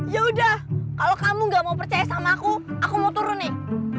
yaudah kalau kamu nggak mau percaya sama aku aku mau turun nih